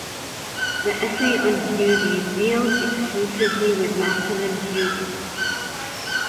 The essay on beauty deals exclusively with masculine beauty.